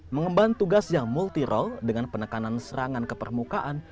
mengembang tugas yang multi role dengan penekanan serangan ke permukaan